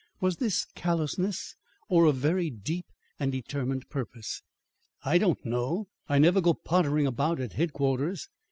Was this callousness or a very deep and determined purpose. "I don't know. I never go pottering about at Headquarters.